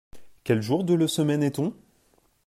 Quel jour de le semaine est-on ?